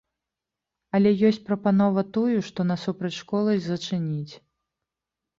Але ёсць прапанова тую, што насупраць школы, зачыніць.